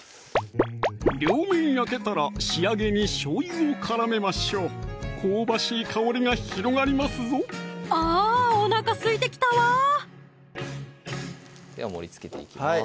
両面焼けたら仕上げにしょうゆを絡めましょう香ばしい香りが広がりますぞあぁおなかすいてきたわでは盛りつけていきます